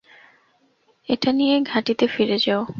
এটা নিয়ে ঘাঁটিতে ফিরে যাও।